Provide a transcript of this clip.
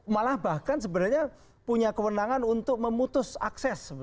malah bahkan sebenarnya punya kewenangan untuk memutus akses